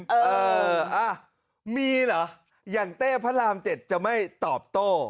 เอออ่ะมีเหรออย่างเต้พระราม๗จะไม่ตอบโต้